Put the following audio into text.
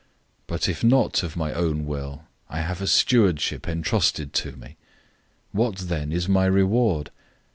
But if not of my own will, I have a stewardship entrusted to me. 009:018 What then is my reward?